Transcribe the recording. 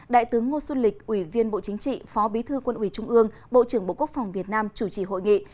đại tướng ngô xuân lịch ủy viên bộ chính trị phó bí thư quân ủy trung ương bộ trưởng bộ quốc phòng việt nam chủ trì hội nghị